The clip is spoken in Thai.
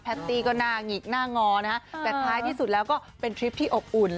ตี้ก็หน้าหงิกหน้างอนะฮะแต่ท้ายที่สุดแล้วก็เป็นทริปที่อบอุ่น